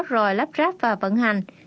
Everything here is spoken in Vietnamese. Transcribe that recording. rồi lắp ráp và vận hành